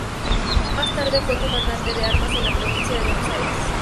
Más tarde fue comandante de armas de la provincia de Buenos Aires.